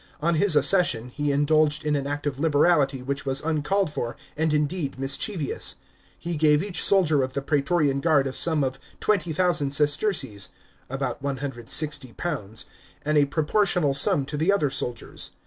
On his accession he indulged in an act of liberality which was uncalled for, and indeed mischievous. He gave each soldier of the praetorian guard a sum of 20,000 sesterces (about £160) and a proportionable sum to the other soldiers.